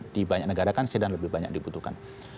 di banyak negara kan sedan lebih banyak dibutuhkan